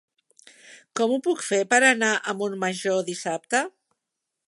Com ho puc fer per anar a Montmajor dissabte?